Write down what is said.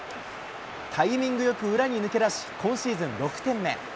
タイミングよく裏に抜け出し、今シーズン６点目。